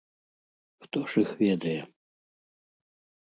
Хто ж іх ведае?!